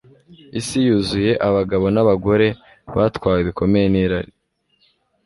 Isi yuzuye abagabo nabagore batwawe bikomeye nirari